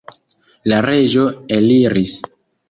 La reĝo eliris.